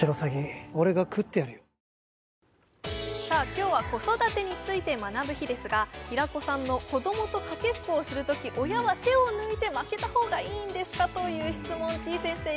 今日は子育てについて学ぶ日ですが平子さんの子どもとかけっこをするとき親は手を抜いて負けたほうがいいんですか？という質問てぃ先生